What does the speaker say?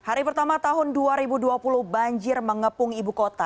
hari pertama tahun dua ribu dua puluh banjir mengepung ibu kota